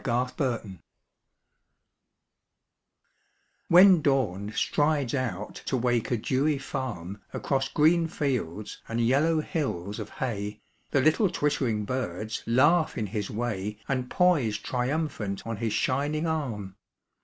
Alarm Clocks When Dawn strides out to wake a dewy farm Across green fields and yellow hills of hay The little twittering birds laugh in his way And poise triumphant on his shining arm.